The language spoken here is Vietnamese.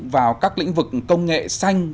vào các lĩnh vực công nghệ xanh